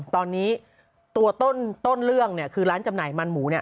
ตอนนี้ตัวต้นเรื่องคือร้านจำหน่ายมันหมู